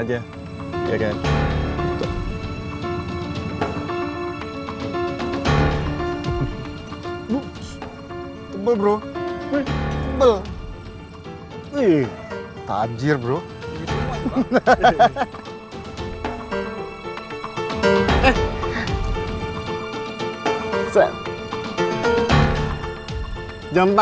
sendirian aja ma